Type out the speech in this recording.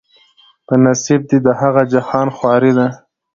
په نصیب دي د هغه جهان خواري ده